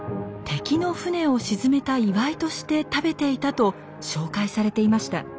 敵の船を沈めた祝いとして食べていたと紹介されていました。